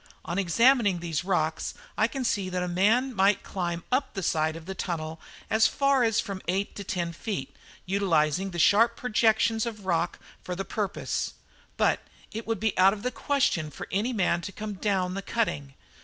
On examining these rocks I see that a man might climb up the side of the tunnel as far as from eight to ten feet, utilising the sharp projections of rock for the purpose; but it would be out of the question for any man to come down the cutting.